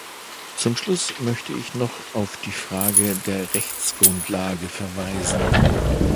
Zum Schluss möchte ich noch auf die Frage der Rechtsgrundlage verweisen.